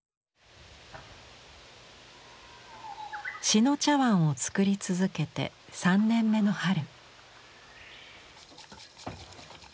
志野茶碗を作り続けて３年目の春。